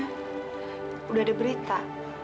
hah udah ada berita